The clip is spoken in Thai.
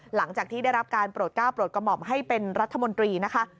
หลังจากที่ได้รับการโปรดก้าวโปรดกระหม่อมให้เป็นรัฐมนตรีนะคะ